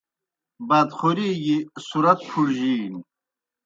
بادخوری گیْ صُرَت پُھڙجِینیْ۔